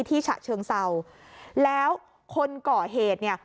ฉะเชิงเศร้าแล้วคนก่อเหตุเนี่ย